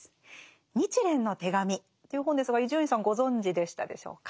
「日蓮の手紙」という本ですが伊集院さんご存じでしたでしょうか？